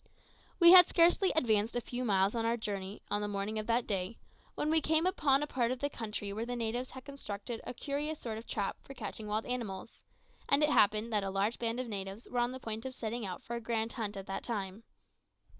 We had scarcely advanced a few miles on our journey on the morning of that day, when we came upon a part of the country where the natives had constructed a curious sort of trap for catching wild animals; and it happened that a large band of natives were on the point of setting out for a grand hunt at that time.